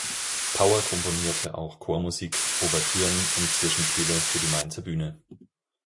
Pauer komponierte auch Chormusik, Ouvertüren und Zwischenspiele für die Mainzer Bühne.